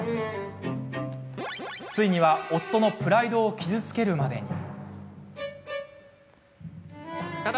ついには夫のプライドを傷つけるまでに。